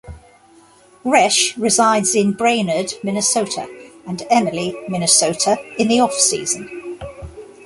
Resch resides in Brainerd, Minnesota and Emily, Minnesota in the off season.